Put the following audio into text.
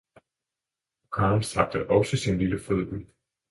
Og Karen strakte også sin lille fod ud.